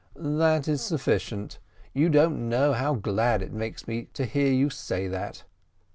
"That is sufficient; you don't know how glad it makes me to hear you say that."